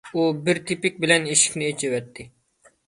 ئۇ بىر تېپىك بىلەن ئىشىكنى ئېچىۋەتتى.